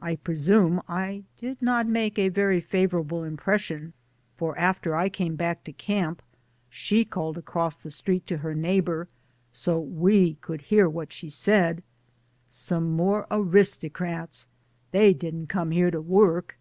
I presume I did not make a very favorable impression, for after I came TDack to camp she called across the street to 263 DAYS ON THE ROAD. her neighbor — so we could hear what she said: "Some more aristocrats. They didn't come here to work.